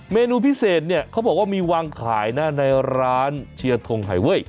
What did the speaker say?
เมนูพิเศษเนี่ยเขาบอกว่ามีวางขายนะในร้านเชียร์ทงไฮเว้ย